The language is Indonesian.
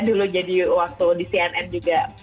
dulu jadi waktu di cnn juga